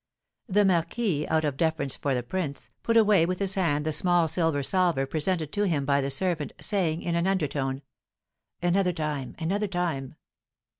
The marquis, out of deference for the prince, put away with his hand the small silver salver presented to him by the servant, saying, in an undertone: "Another time, another time."